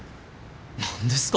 何ですか？